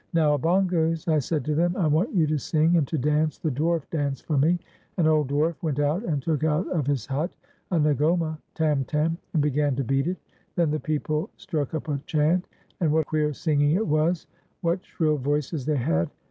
"Now, Obongos," I said to them, "I want you to sing and to dance the dwarf dance for me." An old dwarf went out, and took out of his hut a ngoma (tam tam), and began to beat it; then the people struck up a chant, and what queer singing it was! what shrill voices they had